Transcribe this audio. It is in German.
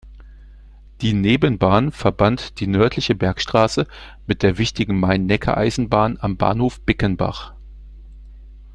Die Nebenbahn verband die nördliche Bergstraße mit der wichtigen Main-Neckar-Eisenbahn am Bahnhof Bickenbach.